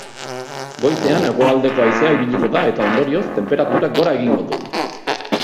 Goizean hegoaldeko haizea ibiliko da eta ondorioz, tenperaturak gora egingo du.